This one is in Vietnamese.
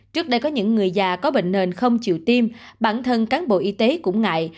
trước đây có những người già có bệnh nền không chịu tiêm bản thân cán bộ y tế cũng ngại